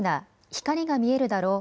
光が見えるだろう？